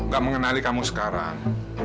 gak mengenali kamu sekarang